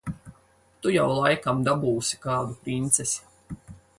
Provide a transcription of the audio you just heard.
Tu jau laikam dabūsi kādu princesi.